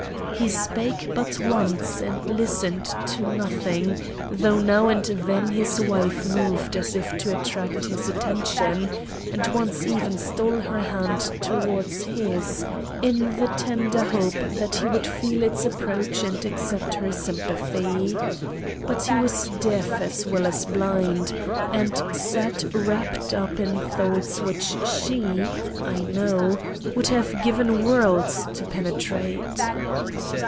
He spake but once and listened to nothing, though now and then his wife moved as if to attract his attention, and once even stole her hand toward his, in the tender hope that he would feel its approach and accept her sympathy. But he was deaf as well as blind; and sat wrapped up in thoughts which she, I know, would have given worlds to penetrate.